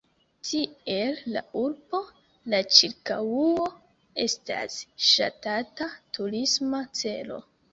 Tiel la urbo, la ĉirkaŭo estas ŝatata turisma celo.